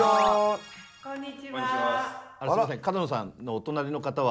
こんにちは。